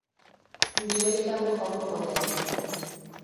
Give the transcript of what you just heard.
نجلۍ ته مخامخ ودرېد.